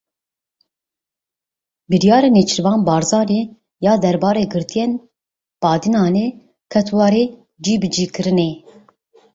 Biryara Nêçîrvan Barzanî ya derbarê girtiyên Badînanê ket warê cîbicîkirinê.